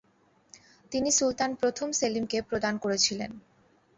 তিনি সুলতান প্রথম সেলিমকে প্রদান করেছিলেন।